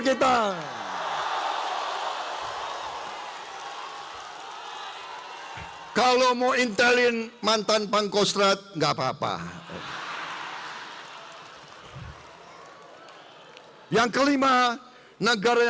kita perlu hakim hakim yang unggul dan jujur